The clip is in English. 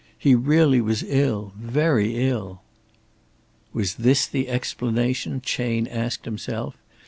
He really was ill very ill." Was this the explanation, Chayne asked himself?